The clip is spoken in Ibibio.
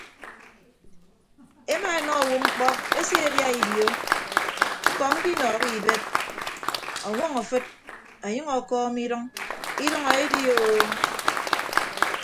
Emaenọ owo mkpọ eseedia ibio ñkọ ñkinọọhọ ibed ọñwọñ afịd ọnyʌñ ọkọọm idʌñ idʌñ eedioo.